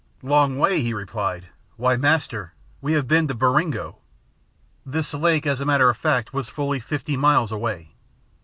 "Long way," he replied; "why, Master, we have been to Baringo!" This lake as a matter of fact was fully fifty miles away.